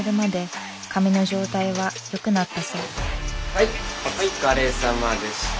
はいお疲れさまでした。